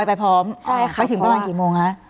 ไปพร้อมไปถึงประมาณกี่โมงคะ